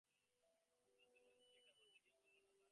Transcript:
আব্দুল মজিদ কী-একটা বলতে গিয়েও বলল না।